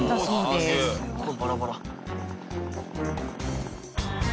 すごいバラバラ。